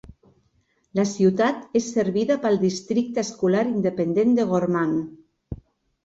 La ciutat és servida pel districte escolar independent de Gorman.